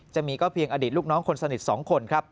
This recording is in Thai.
จะมีก็เพียงอดีตลูกน้องคนสนิท๒คนครับ